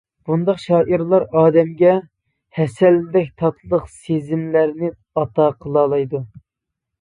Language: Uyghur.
بۇنداق شائىرلار ئادەمگە ھەسەلدەك تاتلىق سېزىملەرنى ئاتا قىلالايدۇ.